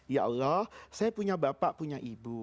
ya allah saya punya bapak punya ibu